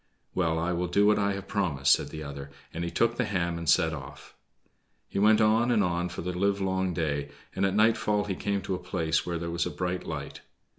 "Well, I will do what I have promised," said the other, and he took the ham and set off. He went on and on for the livelong day, and at nightfall he came to a place where there was a bright light.